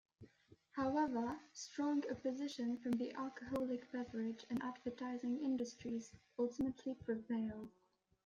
However, strong opposition from the alcoholic beverage and advertising industries ultimately prevailed.